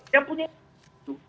yang punya perasaan itu